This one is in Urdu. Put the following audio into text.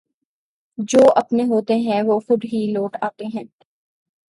جواپنے ہوتے ہیں وہ خودہی لوٹ آتے ہیں